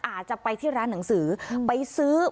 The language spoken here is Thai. อาจจะไปที่ร้านหนังสือไปซื้อ